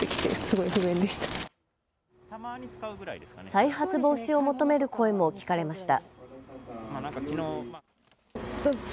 再発防止を求める声も聞かれました。